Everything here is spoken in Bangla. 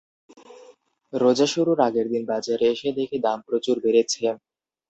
রোজা শুরুর আগের দিন বাজারে এসে দেখি দাম প্রচুর বেড়েছে।